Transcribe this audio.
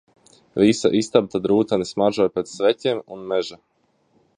Visa istaba tad rūgteni smaržoja pēc sveķiem un meža.